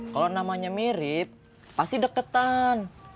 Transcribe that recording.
kalau namanya mirip pasti deketan